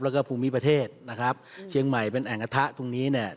แล้วก็ภูมิประเทศนะครับเชียงใหม่เป็นแอ่งกระทะตรงนี้เนี่ย